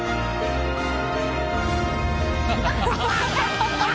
ハハハハハ！